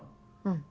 うん。